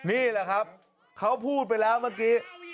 นี่แหละครับเขาพูดไปแล้วเมื่อกี้